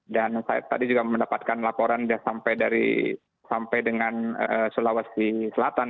dan saya tadi juga mendapatkan laporan sampai dengan sulawesi selatan